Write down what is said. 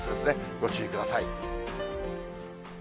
ご注意ください。